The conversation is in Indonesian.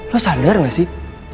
lo sadar gak sih